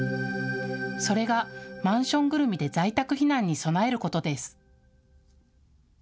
それがマンションぐるみで在宅避難に備えることです。